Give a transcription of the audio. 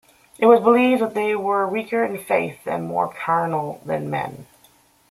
It was believed that they were weaker in faith and more carnal than men.